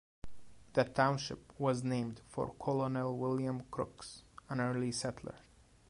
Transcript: The township was named for Colonel William Crooks, an early settler.